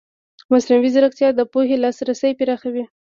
مصنوعي ځیرکتیا د پوهې لاسرسی پراخوي.